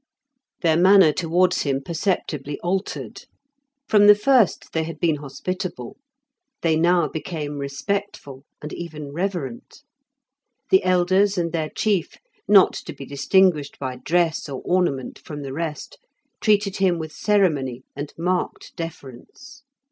Their manner towards him perceptibly altered. From the first they had been hospitable; they now became respectful, and even reverent. The elders and their chief, not to be distinguished by dress or ornament from the rest, treated him with ceremony and marked deference.